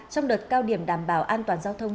trong đợt cao điểm đảm bảo an toàn giao thông